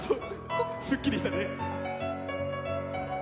すっきりしたね。